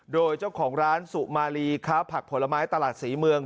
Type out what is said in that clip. โดยเจ้าของร้านสุมารีค้าผักผลไม้ตลาดศรีเมือง